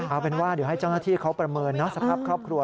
เอาเป็นว่าเดี๋ยวให้เจ้าหน้าที่เขาประเมินสภาพครอบครัว